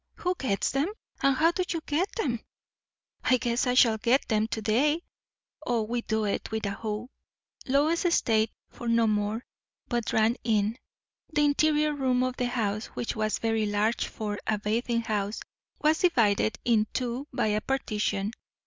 "Who gets them? and how do you get them?" "I guess I shall get them to day. O, we do it with a hoe." Lois stayed for no more, but ran in. The interior room of the house, which was very large for a bathing house, was divided in two by a partition.